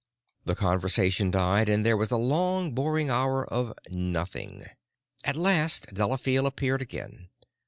The conversation died and there was a long, boring hour of nothing. At last Delafield appeared again.